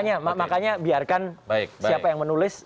makanya biarkan siapa yang menulis